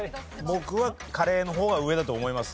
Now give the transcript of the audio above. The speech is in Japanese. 僕はカレーの方が上だと思います。